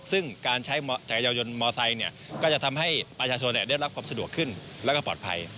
ซึ่งการใช้จ่ายยาวยนมอไซค์ก็จะทำให้ประชาชนได้รับความสะดวกขึ้นแล้วก็ปลอดภัย